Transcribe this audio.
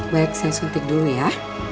baik saya suntik dulu ya